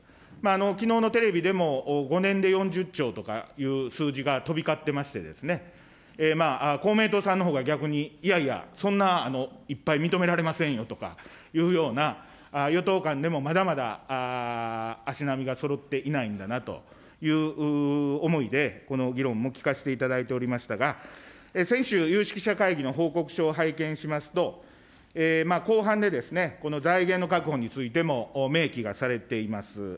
きのうのテレビでも５年で４０兆とかいう数字が飛び交ってまして、公明党さんのほうが逆に、いやいや、そんないっぱい認められませんよとかいうような、与党間でもまだまだ足並みがそろっていないんだなという思いで、この議論も聞かせていただいておりましたが、先週、有識者会議の報告書を拝見しますと、後半でこの財源の確保についても明記がされています。